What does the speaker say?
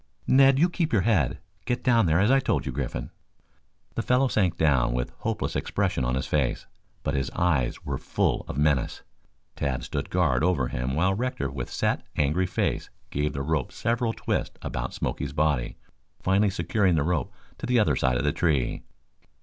"Ned, you keep your head. Get down there as I told you, Griffin!" The fellow sank down, with a hopeless expression on his face, but his eyes were full of menace. Tad stood guard over him while Rector with set, angry face gave the rope several twists about Smoky's body, finally securing the rope to the other side of the tree.